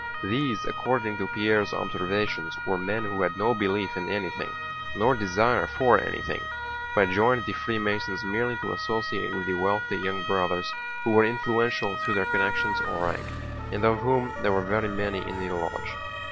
These according to Pierre's observations were men who had no belief in anything, nor desire for anything, but joined the Freemasons merely to associate with the wealthy young Brothers who were influential through their connections or rank, and of whom there were very many in the lodge.